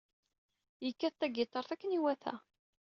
Yekkat tagiṭart akken i iwata.